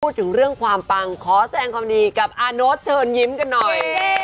พูดถึงเรื่องความปังขอแสงความดีกับอาโน๊ตเชิญยิ้มกันหน่อย